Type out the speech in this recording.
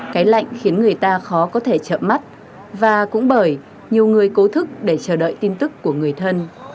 cái lạnh khiến người ta khó có thể chợ mắt và cũng bởi nhiều người cố thức để chờ đợi tin tức của người thân